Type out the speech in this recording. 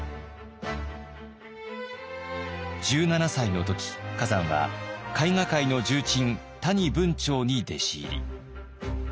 １７歳の時崋山は絵画界の重鎮谷文晁に弟子入り。